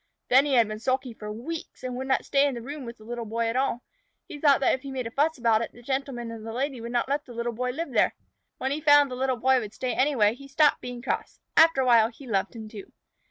Then he had been sulky for weeks, and would not stay in the room with the Little Boy at all. He thought that if he made enough fuss about it, the Gentleman and the Lady would not let the Little Boy live there. When he found the Little Boy would stay anyway, he stopped being cross. After a while he loved him too.